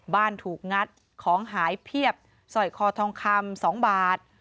ถูกงัดของหายเพียบสร้อยคอทองคำ๒บาท